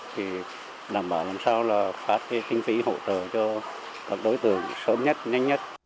để đảm bảo làm sao phát sinh phí hỗ trợ cho các đối tượng sớm nhất nhanh nhất